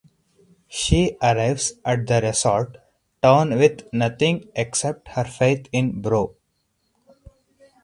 She arrives at the resort town with nothing except her faith in Bro.